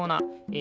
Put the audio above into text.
え